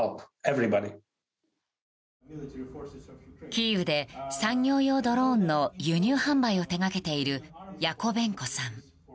キーウで産業用ドローンの輸入販売を手掛けているヤコヴェンコさん。